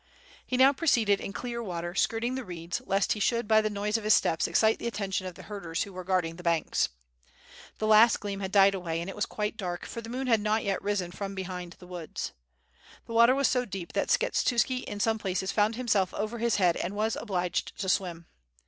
He now proceeded in clear water skirting the reeds, lest he should by the noise of his steps excite the attention of the herders who were guarding the banks. The last gleam had died away and it was quite dark, for the moon had not yet risen from behind the woods. The water was so deep that Skshetuski in some places found himself over his head and was obliged to swim.